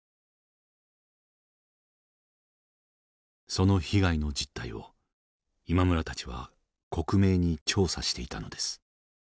その被害の実態を今村たちは克明に調査していたのです。